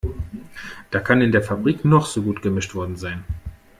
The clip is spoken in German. Da kann in der Fabrik noch so gut gemischt worden sein.